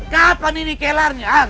kapan ini kelarnya